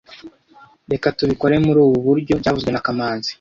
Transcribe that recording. Reka tubikore muri ubu buryo byavuzwe na kamanzi